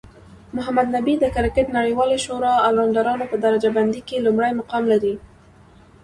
محمد نبي د کرکټ نړیوالی شورا الرونډرانو په درجه بندۍ کې لومړی مقام لري